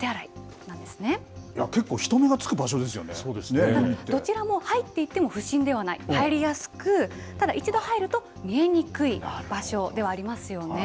結構どちらも入っていっても不審ではない、入りやすくただ、一度入ると見えにくい場所ではありますよね。